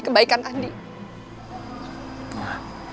perasaan yang dari dulu